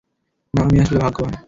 না, আমি আসলে ভাগ্যবান।